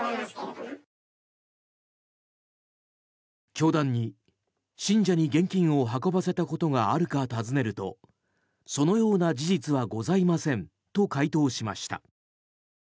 教団に、信者に現金を運ばせたことがあるか尋ねるとそのような事実はございませんと回答しました。